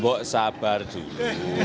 bok sabar dulu